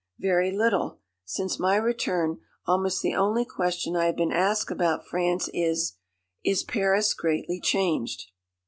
Very little. Since my return, almost the only question I have been asked about France is: "Is Paris greatly changed?"